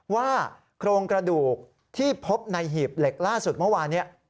ว่าโครงกระดูกที่พบในหีบเหล็กล่าสุดเมื่อวานนี้